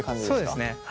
そうですね。